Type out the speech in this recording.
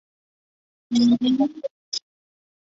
川边町为岐阜县加茂郡所辖的町。